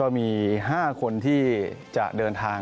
มี๕คนที่จะเดินทาง